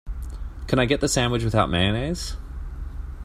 Can I get the sandwich without mayonnaise?